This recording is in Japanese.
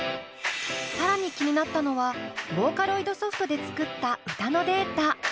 更に気になったのはボーカロイドソフトで作った歌のデータ。